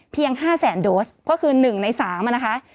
เพียงห้าแสนโดสก็คือหนึ่งในสามอ่ะนะคะ